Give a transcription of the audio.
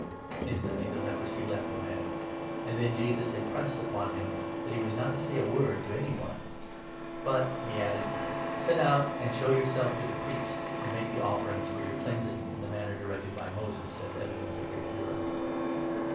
Instantly the leprosy left the man ; and then Jesus impressed 14 upon him that he was not to say a word to any one, " but," he added, "set out and show yourself to the Priest, and make the offerings for your cleansing, in the manner directed by Moses, as evidence of your cure."